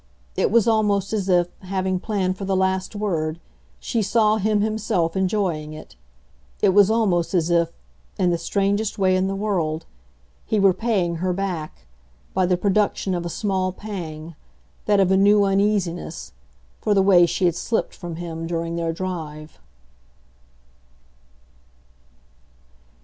It was almost as if, having planned for the last word, she saw him himself enjoying it. It was almost as if in the strangest way in the world he were paying her back, by the production of a small pang, that of a new uneasiness, for the way she had slipped from him during their drive.